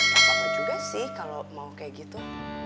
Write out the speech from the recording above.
gak apa apa juga sih kalau mau kayak gitu